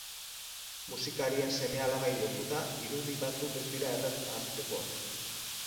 Musikariaren seme-alabei lotuta, irudi batzuk ez dira erraz ahaztekoak.